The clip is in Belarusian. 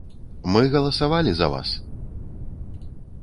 Мы галасавалі за вас!